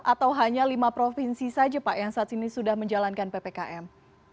atau hanya lima provinsi saja pak yang saat ini sudah menjalankan ppkm